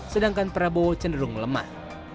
sedangkan prabowo cenderung melemah